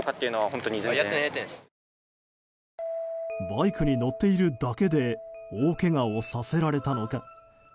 バイクに乗っているだけで大けがをさせられたのか。